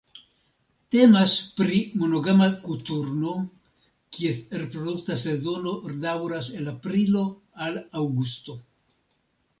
Temas pri monogama koturno, kies reprodukta sezono daŭras el aprilo al aŭgusto.